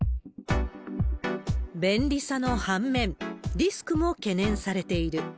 便利さの反面、リスクも懸念されている。